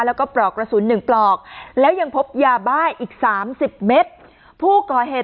แล้วก็ปลอกกระสุน๑ปลอกแล้วยังพบยาบ้ายอีก๓๐เมตรผู้ก่อเหตุ